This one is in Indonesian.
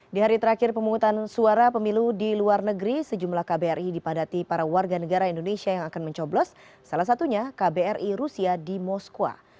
di hari terakhir pemungutan suara pemilu di luar negeri sejumlah kbri dipadati para warga negara indonesia yang akan mencoblos salah satunya kbri rusia di moskwa